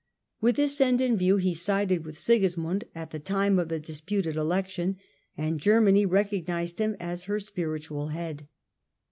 AVith this end in view he sided with Sigismund at the time of the disputed election, and Germany recognised him as her spiritual head.